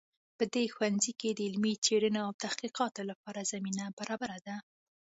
په دې ښوونځي کې د علمي څیړنو او تحقیقاتو لپاره زمینه برابره ده